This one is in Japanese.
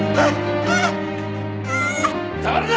誰だ！？